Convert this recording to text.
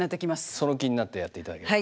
その気になってやっていただければ。